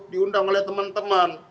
diundang oleh teman teman